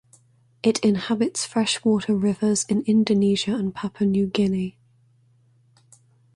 It inhabits freshwater rivers in Indonesia and Papua New Guinea.